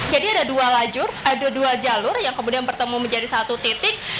jadi ada dua jalur yang kemudian bertemu menjadi satu titik